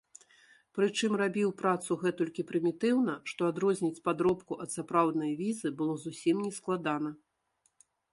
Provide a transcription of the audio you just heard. Прычым рабіў працу гэтулькі прымітыўна, што адрозніць падробку ад сапраўднай візы было зусім нескладана.